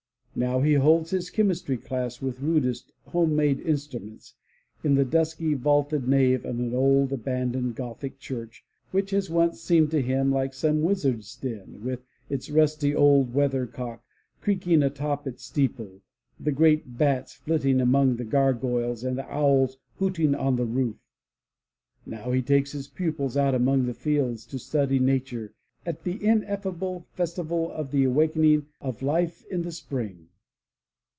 Now he holds his chem n^ istry class with rudest, home made instru |j ments, in the dusky, vaulted nave of an old, abandoned, Gothic church, which has once seemed to him like some wizard's den, with its rusty, old weather cock creaking atop its steeple, the great bats flitting among the gargoyles and the owls hooting on the roof. Now he takes his pupils out among the fields to study nature at the ineffable festival of the awakening of life in the Spring."